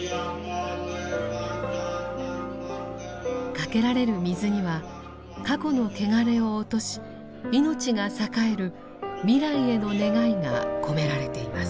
かけられる水には過去の汚れを落とし命が栄える未来への願いが込められています。